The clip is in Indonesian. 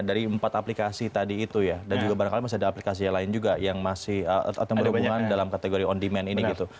dari empat aplikasi tadi itu ya dan juga barangkali masih ada aplikasi yang lain juga yang masih atau berhubungan dalam kategori on demand ini gitu